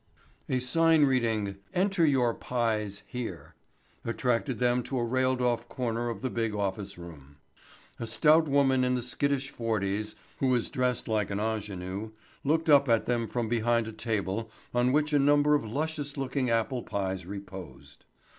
A sign reading, "Enter Your Pies Here," attracted them to a railed off corner of the big office room. A stout woman in the skittish forties, who was dressed like an ingenue, looked up at them from behind a table on which a number of luscious looking apple pies reposed.